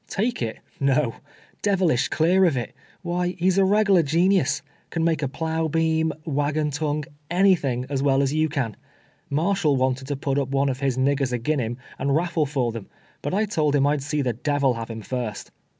"Take it — no; devilish clear of it. Wliy, he's a reg'lar genius ; can make a plough beam, wagon tongue — anything, as well as you can. Marshall wanted to put up one of his niggers agin him and raf fle for them, but 1 told him I would see the devil have him first."